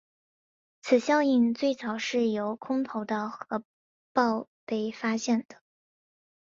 此效应最早是由空投的核爆被发现的。